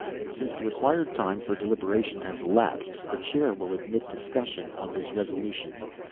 Since the required time for deliberation has elapsed, the chair will admit discussion on this resolution.